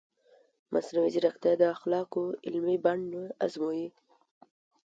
مصنوعي ځیرکتیا د اخلاقو عملي بڼه ازموي.